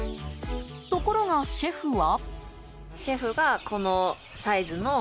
ところがシェフは。